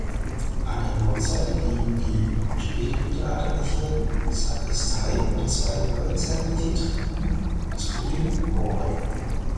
An der Nordseite liegen die spätmittelalterliche Sakristei und zwei neuzeitliche Treppen zu den Emporen.